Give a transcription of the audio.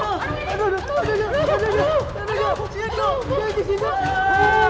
staff emang kakak kakak tem franco oba gini